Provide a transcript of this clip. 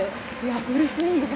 フルスイングです。